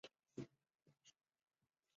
殿试登进士第二甲第三十三名。